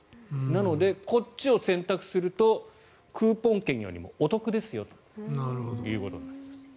なので、こっちを選択するとクーポン券よりもお得ですよということになります。